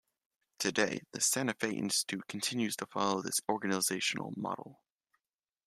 Today, the Santa Fe Institute continues to follow this organizational model.